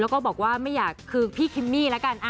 แล้วก็บอกว่าไม่อยากคือพี่คิมมี่แล้วกัน